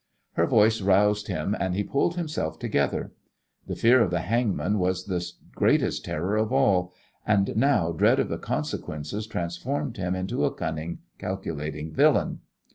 Her voice roused him and he pulled himself together. The fear of the hangman was the greatest terror of all, and now dread of the consequences transformed him into a cunning, calculating villain.